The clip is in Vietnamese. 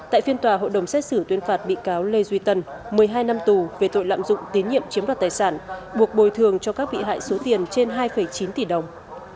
tại phiên tòa hội đồng xét xử tuyên phạt bị cáo lê duy tân một mươi hai năm tù về tội lạm dụng tín nhiệm chiếm đoạt tài sản buộc bồi thường cho các bị hại số tiền trên hai chín tỷ đồng